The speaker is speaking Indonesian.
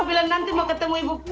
nono bilang nanti mau ketemu ibu kuspa